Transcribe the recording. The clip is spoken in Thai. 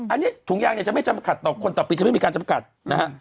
อันนี้ถุงยางเนี่ยจะไม่จำขัดต่อคนต่อปีจะไม่มีการจำกัดนะฮะ